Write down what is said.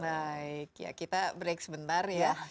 baik ya kita break sebentar ya